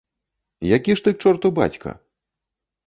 Які ж ты к чорту бацька!